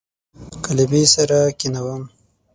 کلمې سره کښینوم